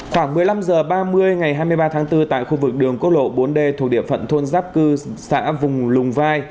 khoảng một mươi năm h ba mươi ngày hai mươi ba tháng bốn tại khu vực đường quốc lộ bốn d thuộc địa phận thôn giáp cư xã vùng lùng vai